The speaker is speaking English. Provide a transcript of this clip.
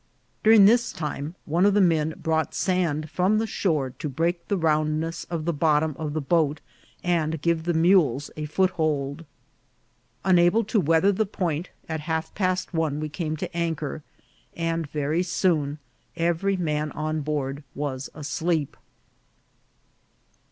During this time one of the men brought sand from the shore to break the roundness of the bottom of the boat, and give the mules a foothold. Unable to weather the point, at half past one we came to anchor, and very soon every man on board was asleep.